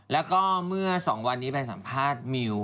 แล้วก็เมื่อ๒วันนี้ไปสัมภาษณ์มิว